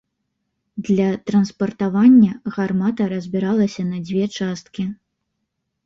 Для транспартавання гармата разбіралася на дзве часткі.